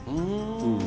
うん。